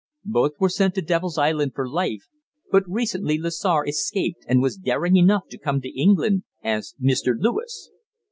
Both were sent to Devil's Island for life, but recently Lessar escaped, and was daring enough to come to England as Mr. Lewis."